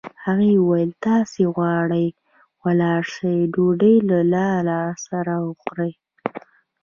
هغې وویل: تاسي غواړئ ولاړ شئ، ډوډۍ لا نه راسره خورئ.